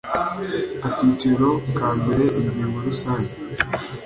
akiciro ka mbere ingingo rusange